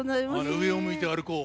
「上を向いて歩こう」